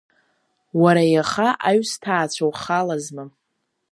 Уара иаха аҩсҭаацәа ухалазма?